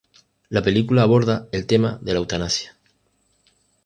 La película aborda el tema de la eutanasia.